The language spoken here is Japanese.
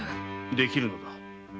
できるのだ。